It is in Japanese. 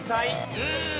うん。